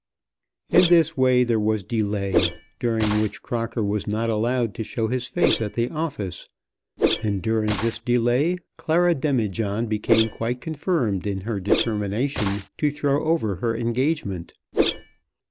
In this way there was delay, during which Crocker was not allowed to show his face at the office, and during this delay Clara Demijohn became quite confirmed in her determination to throw over her engagement.